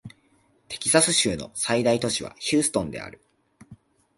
テキサス州の最大都市はヒューストンである